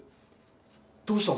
どうしたの？